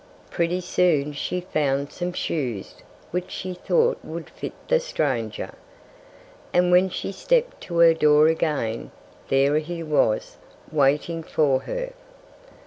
Pretty soon she found some shoes which she thought would fit the stranger. And when she stepped to her door again, there he was, waiting for her.